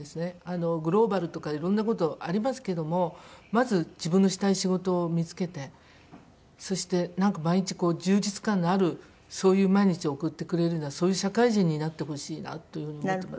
グローバルとかいろんな事ありますけどもまず自分のしたい仕事を見付けてそしてなんか毎日充実感のあるそういう毎日を送ってくれるようなそういう社会人になってほしいなという風に思ってます。